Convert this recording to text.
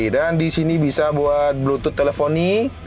dan di sini bisa buat bluetooth teleponi